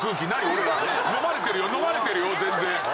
俺らのまれてるよのまれてるよ全然。